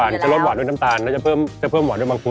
มันก็จะรสหวานด้วยน้ำตาลแล้วจะเพิ่มหวานด้วยมังคุด